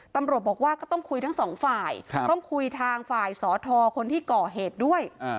ตำรวจบอกว่าก็ต้องคุยทั้งสองฝ่ายต้องคุยทางฝ่ายสทคนที่ก่อเหตุด้วย